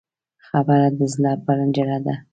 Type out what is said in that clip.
خبره د زړه پنجره ده